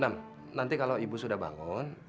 nah nanti kalau ibu sudah bangun